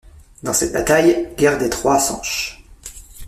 Dans cette bataille, guerre des trois Sanche.